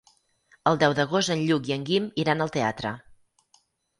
El deu d'agost en Lluc i en Guim iran al teatre.